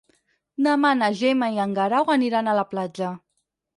Demà na Gemma i en Guerau aniran a la platja.